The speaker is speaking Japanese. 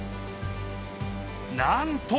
なんと！